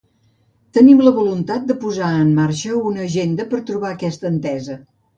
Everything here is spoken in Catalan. Tenim la voluntat de posar en marxa una agenda per trobar aquesta entesa.